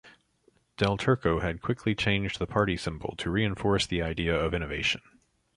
Del Turco had quickly changed the party symbol to reinforce the idea of innovation.